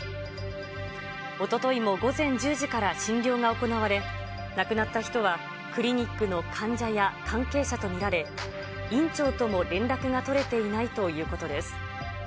おとといも午前１０時から診療が行われ、亡くなった人はクリニックの患者や関係者と見られ、院長とも連絡が取れていないということです。